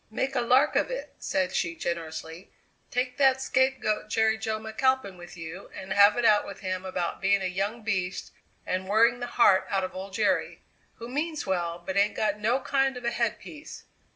"Make a lark of it," said she generously; "take that scapegoat Jerry Jo McAlpin with you and have it out with him about being a young beast and worrying the heart out of old Jerry, who means well but ain't got no kind of a headpiece.